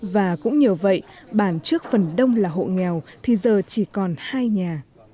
và cũng nhờ vậy bản trước phần đông là hộ nghèo thì giờ chỉ còn hai nhà